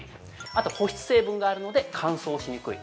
あと保湿成分があるので乾燥しにくい。